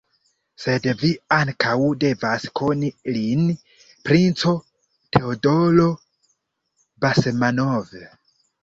Sed vi ankaŭ devas koni lin, princo: Teodoro Basmanov!